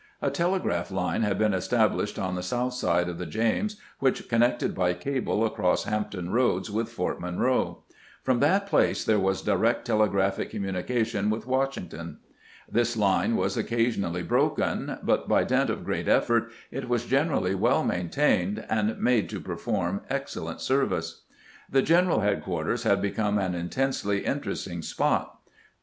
A telegraph line had been established on the south side of the James which connected by cable across Hampton Roads with Fort Monroe. From that place there was direct telegraphic communication with Wash ington. ■ This line was occasionally broken, but by dint of great effort it was generally well maintained and made to perform excellent service. The general headquarters had become an intensely interesting spot.